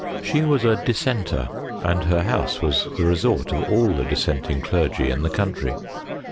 She was a dissenter, and her house was the resort of all the dissenting clergy in the country.